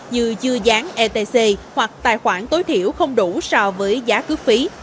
như chưa dán etc hoặc tài khoản tối thiểu không đủ so với giá cước phí